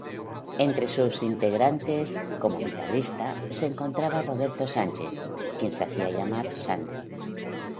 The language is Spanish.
Entre sus integrantes, como guitarrista, se encontraba Roberto Sánchez, quien se hacía llamar Sandro.